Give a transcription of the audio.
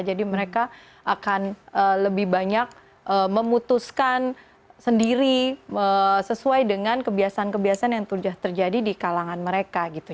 jadi mereka akan lebih banyak memutuskan sendiri sesuai dengan kebiasaan kebiasaan yang terjadi di kalangan mereka gitu